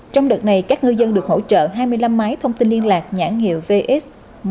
trong đợt này các người dân được hỗ trợ hai mươi năm máy thông tin liên lạc nhãn hiệu vx một nghìn bảy trăm linh